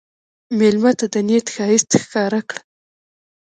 مېلمه ته د نیت ښایست ښکاره کړه.